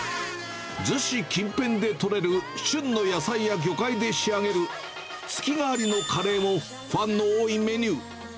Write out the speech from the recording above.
逗子近辺で取れる、旬の野菜や魚介で仕上げる月替わりのカレーも、ファンの多いメニュー。